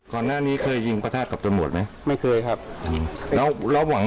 ถืออยู่ในมือถืออยู่มือซ้ายครับ